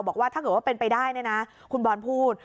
บอกว่าถ้าเกิดว่าเป็นไปได้เนี่ยนะคุณบอลพูด